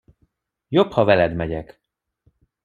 Jobb, ha veled megyek.